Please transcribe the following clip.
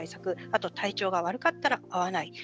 あと体調が悪かったら会わない。